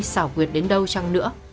xảo quyệt đến đâu chăng nữa